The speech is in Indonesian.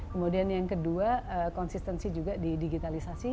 kemudian yang kedua konsistensi juga di digitalisasi